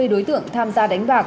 hai mươi đối tượng tham gia đánh bạc